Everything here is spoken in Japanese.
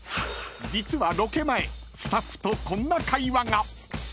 ［実はロケ前スタッフとこんな会話が］